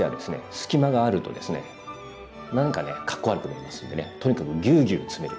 隙間があるとですねなんかねかっこ悪く見えますんでねとにかくギュウギュウ詰める。